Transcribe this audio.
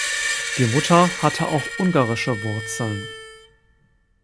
Die Mutter hatte auch ungarische Wurzeln.